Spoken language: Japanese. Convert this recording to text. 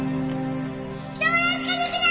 人殺し家族だ！